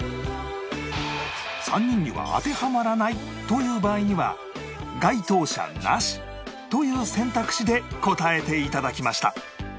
３人には当てはまらないという場合には該当者なしという選択肢で答えて頂きました